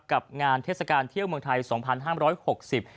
กับงานเทศกาลเที่ยวเมืองไทยสองพันห้ามร้อยหกสิบ